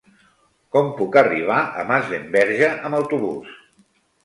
Com puc arribar a Masdenverge amb autobús?